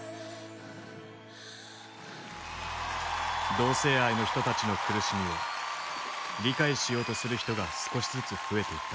同性愛の人たちの苦しみを理解しようとする人が少しずつ増えていった。